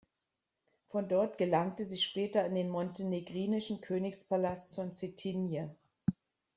Von dort gelangte sie später in den montenegrinischen Königspalast von Cetinje.